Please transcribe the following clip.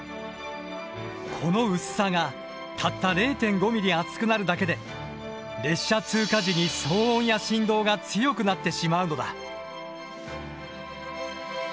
この薄さがたった０．５ｍｍ厚くなるだけで列車通過時に騒音や振動が強くなってしまうのだ。